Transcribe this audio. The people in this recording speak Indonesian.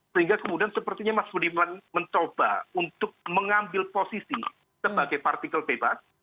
sehingga kemudian sepertinya mas budiman mencoba untuk mengambil posisi sebagai partikel bebas